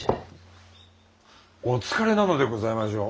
お疲れなのでございましょう。